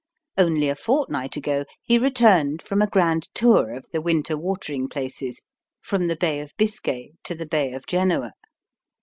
Only a fortnight ago he returned from a grand tour of the winter watering places, from the Bay of Biscay to the Bay of Genoa.